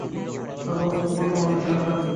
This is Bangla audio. সর্বপ্রথম আসে আনসাররা।